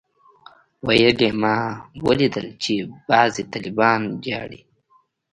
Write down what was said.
ويل يې ما اوليدل چې بعضي طلبا جاړي.